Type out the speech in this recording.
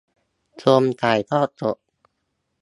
ชมถ่ายทอดสด